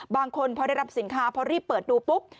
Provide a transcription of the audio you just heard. บางคนพอได้รับสินค้าพอรีบเปิดดูปุ๊บ